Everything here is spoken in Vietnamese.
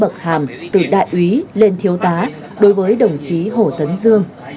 bậc hàm từ đại úy lên thiếu tá đối với đồng chí hồ tấn dương